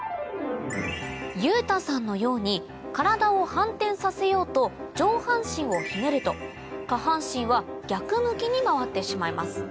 裕太さんのように体を反転させようと上半身をひねると下半身は逆向きに回ってしまいます